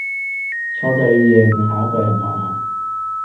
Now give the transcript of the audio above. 錯就要認，下一句系咩啊?